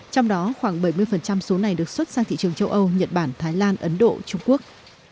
trong đó khoảng bảy mươi số này được xuất sang thị trường châu âu nhật bản thái lan ấn độ trung quốc